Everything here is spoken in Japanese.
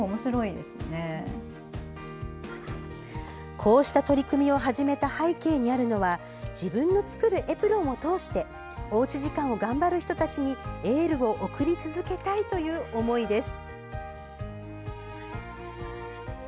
こうした取り組みを始めた背景にあるのは自分の作るエプロンを通しておうち時間を頑張る人たちにエールを送り続けたいという思いです。